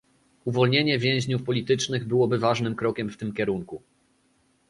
Uwolnienie więźniów politycznych byłoby ważnym krokiem w tym kierunku